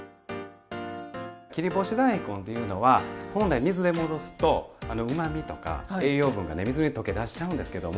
切り干し大根っていうのは本来水で戻すとうまみとか栄養分がね水に溶け出しちゃうんですけども。